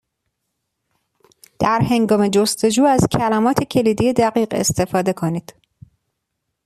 در هنگام جستجو از کلمات کلیدی دقیق استفاده کنید.